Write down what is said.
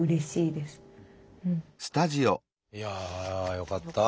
よかった。